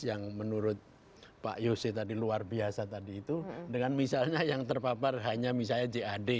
yang menurut pak yose tadi luar biasa tadi itu dengan misalnya yang terpapar hanya misalnya jad